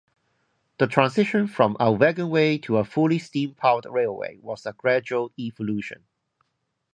The transition from a wagonway to a fully steam-powered railway was a gradual evolution.